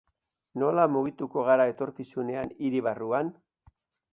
Nola mugituko gara etorkizunean hiri barruan?